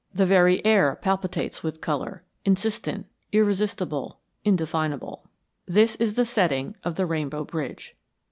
The very air palpitates with color, insistent, irresistible, indefinable. This is the setting of the Rainbow Bridge.